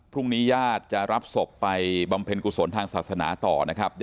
ญาติจะรับศพไปบำเพ็ญกุศลทางศาสนาต่อนะครับ